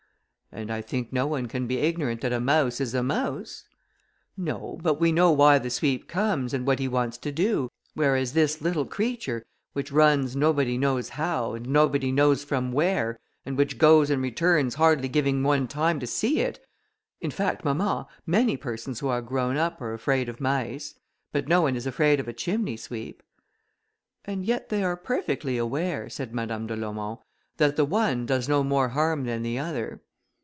"And I think no one can be ignorant that a mouse is a mouse." "No; but we know why the sweep comes, and what he wants to do; whereas this little creature, which runs nobody knows how, and nobody knows from where, and which goes and returns hardly giving one time to see it.... In fact, mamma, many persons who are grown up are afraid of mice, but no one is afraid of a chimney sweep." "And yet they are perfectly aware," said Madame de Laumont, "that the one does no more harm than the other."